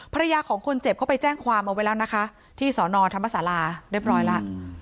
ภรรยาของคนเจ็บเขาไปแจ้งความเอาไว้แล้วนะคะที่สอนอธรรมศาลาเรียบร้อยแล้ว